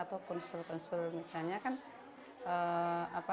atau konsul konsul misalnya